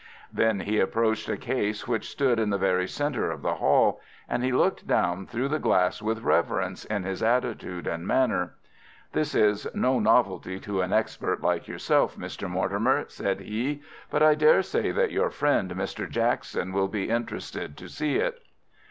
Then he approached a case which stood in the very centre of the hall, and he looked down through the glass with reverence in his attitude and manner. "This is no novelty to an expert like yourself, Mr. Mortimer," said he; "but I daresay that your friend, Mr. Jackson, will be interested to see it."